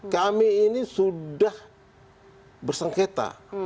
kami ini sudah bersengketa